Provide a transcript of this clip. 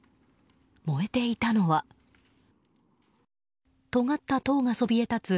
燃えていたのはとがった塔がそびえたつ